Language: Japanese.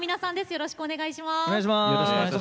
よろしくお願いします。